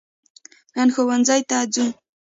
نن ښوونځي ته ځو